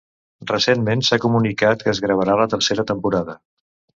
Recentment s'ha comunicat que es gravarà la tercera temporada.